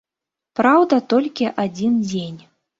Праўда, толькі адзін дзень.